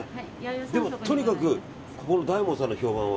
でも、とにかくここの大門さんの評判は？